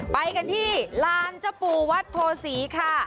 ไปกันที่ลานจบุวัทธ์โพศีค่ะ